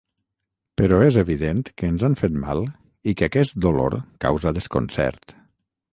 Però és evident que ens han fet mal i que aquest dolor causa desconcert.